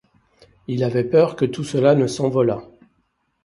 Il avait peur que tout cela ne s’envolât.